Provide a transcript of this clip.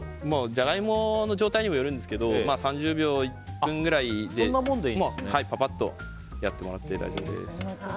ジャガイモの状態にもよるんですけど３０秒、１分くらいでパパッとやってもらって大丈夫です。